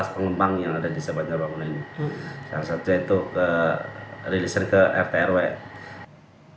tiga belas pengembang yang ada di sebagian bangunan yang satu satu ke rilisnya ke rtw hai hai